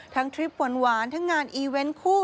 ทริปหวานทั้งงานอีเวนต์คู่